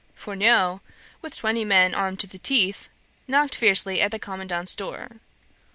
Fourneaux, with twenty men armed to the teeth, knocked fiercely at the commandant's door.